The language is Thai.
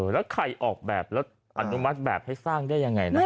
แล้วใครออกแบบแล้วอนุมัติแบบให้สร้างได้ยังไงนะ